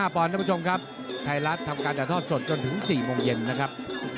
ปอนดท่านผู้ชมครับไทยรัฐทำการถ่ายทอดสดจนถึง๔โมงเย็นนะครับ